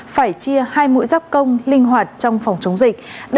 phải chia hai mũi giáp công linh hoạt trong phòng chống dịch